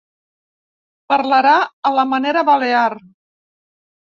Parlarà a la manera balear.